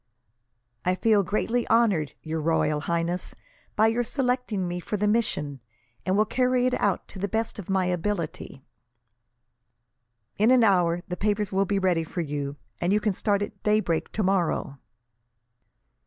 "I feel greatly honoured, Your Royal Highness, by your selecting me for the mission, and will carry it out to the best of my ability." "In an hour the papers will be ready for you, and you can start at daybreak tomorrow."